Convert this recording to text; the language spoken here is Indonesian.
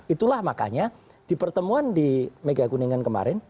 itulah makanya dipertemuan di mega kuningan kemarin